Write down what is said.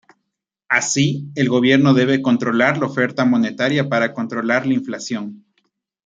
Así, el gobierno debe controlar la oferta monetaria para controlar la inflación.